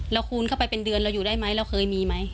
คูณเข้าไปเป็นเดือนเราอยู่ได้ไหมเราเคยมีไหม